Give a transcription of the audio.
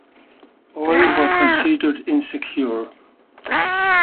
All were considered insecure.